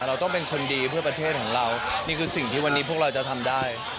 เราต้องเป็นคนดีเพื่อประเทศของเรานี่คือสิ่งที่วันนี้พวกเราจะทำได้